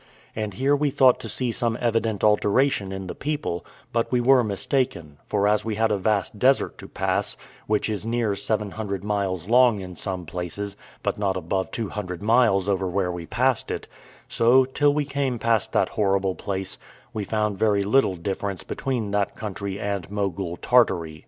And here we thought to see some evident alteration in the people; but we were mistaken, for as we had a vast desert to pass, which is near seven hundred miles long in some places, but not above two hundred miles over where we passed it, so, till we came past that horrible place, we found very little difference between that country and Mogul Tartary.